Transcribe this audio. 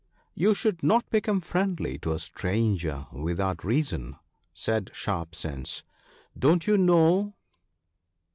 " You should not become friendly to a stranger without reason," said Sharp sense. " Don't you know